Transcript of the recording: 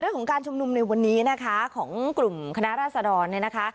เรื่องของการชุมนุมในวันนี้นะคะของกลุ่มคณะราษดรเนี่ยนะคะ